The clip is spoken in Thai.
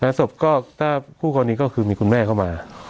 ศพก็ถ้าคู่กรณีก็คือมีคุณแม่เข้ามา